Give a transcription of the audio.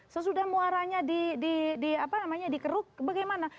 sesudah muaranya dikeruk bagaimana